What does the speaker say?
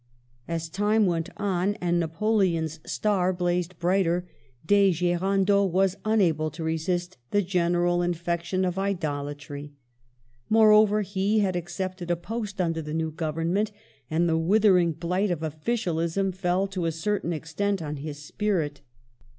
As time went on, and Napoleon's star blazed brighter, De G6rando was unable to resist the general infection of idolatry ; moreover, he had accepted a post under the new Government, and the withering blight of officialism fell to a certain extent on his spirit.